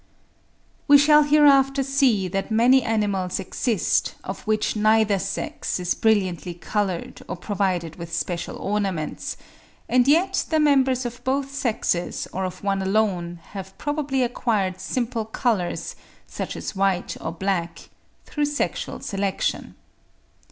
We shall hereafter see that many animals exist, of which neither sex is brilliantly coloured or provided with special ornaments, and yet the members of both sexes or of one alone have probably acquired simple colours, such as white or black, through sexual selection.